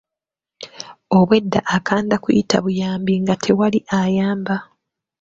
Obwedda akanda kuyita buyambi nga tewali ayamba.